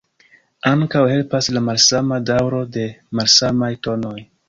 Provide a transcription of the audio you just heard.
Ankaŭ helpas la malsama daŭro de malsamaj tonoj.